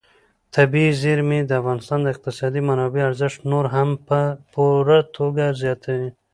طبیعي زیرمې د افغانستان د اقتصادي منابعو ارزښت نور هم په پوره توګه زیاتوي.